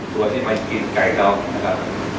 ตัวที่ไม่กินไก่ดอกนะครับ